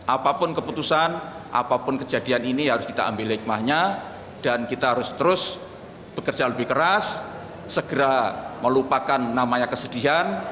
apapun keputusan apapun kejadian ini harus kita ambil hikmahnya dan kita harus terus bekerja lebih keras segera melupakan namanya kesedihan